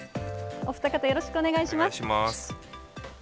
お二方、よろしくお願いします。